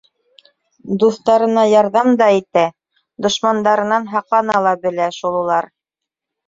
Дуҫтарына ярҙам да итә, дошмандарынан һаҡлана ла белә шул улар.